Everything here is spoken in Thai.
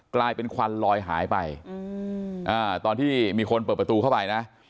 กลายเป็นควันลอยหายไปตอนที่มีคนเปิดประตูเข้าไปนะ